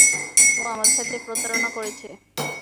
ও আমাদের সাথে প্রতারণা করেছে।